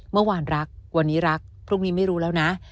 เมื่อวานรักวันนี้รักพรุ่งนี้ไม่รู้แล้วนะ